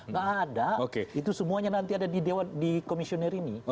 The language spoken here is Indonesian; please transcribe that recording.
nggak ada itu semuanya nanti ada di komisioner ini